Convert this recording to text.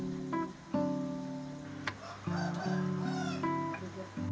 di mana ada tiga titik yang berbeda